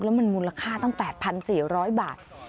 แล้วมันมูลค่าตั้ง๘๔๐๐บาท